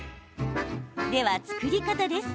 では、作り方です。